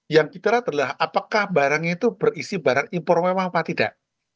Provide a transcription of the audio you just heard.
yang kita lihat adalah apakah barangnya itu berisi barang impor memang apa tidak